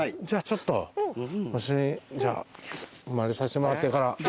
じゃあちょっと御朱印じゃあお参りさせてもらってから。